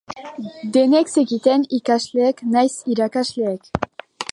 Denek zekiten, ikasleek nahiz irakasleek.